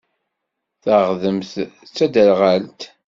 Taɣdemt d taderɣalt.